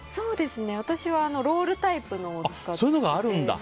私は、ロールタイプのを使っていて。